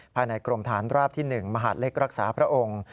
ภายในกรมฐานราบที่๑มหาดเล็กรักษาพระองค์